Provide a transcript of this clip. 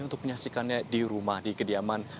untuk menyaksikannya di rumah di kediaman